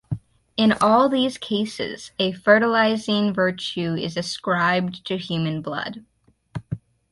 In all these cases a fertilizing virtue is ascribed to human blood.